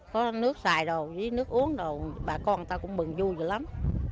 có nước xài đồ với nước uống đồ bà con ta cũng bừng vui rồi lắm